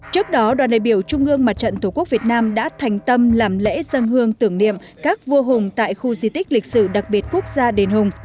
trước đó đoàn đại biểu trung ương mặt trận tổ quốc việt nam đã thành tâm làm lễ dân hương tưởng niệm các vua hùng tại khu di tích lịch sử đặc biệt quốc gia đền hùng